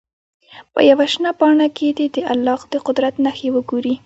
په یوه شنه پاڼه کې دې د الله د قدرت نښې وګوري.